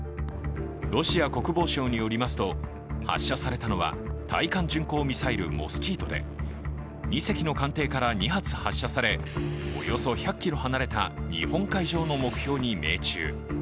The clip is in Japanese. ロシア国防省によりますと発射されたのは対艦巡航ミサイル「モスキート」で２隻の艦艇から２発発射されおよそ１００ｋｍ離れた日本海上の目標に命中。